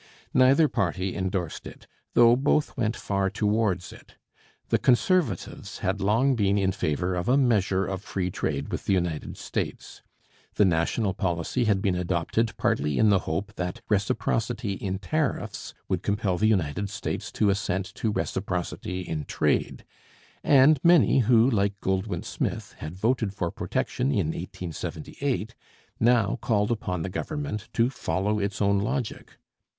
Neither party endorsed it, though both went far towards it. The Conservatives had long been in favour of a measure of free trade with the United States. The National Policy had been adopted partly in the hope that 'reciprocity in tariffs' would compel the United States to assent to 'reciprocity in trade,' and many who, like Goldwin Smith, had voted for protection in 1878, now called upon the Government to follow its own logic.